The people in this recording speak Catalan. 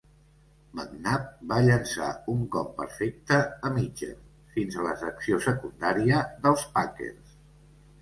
McNabb va llançar un cop perfecte a Mitchell fins a la secció secundària dels Packers.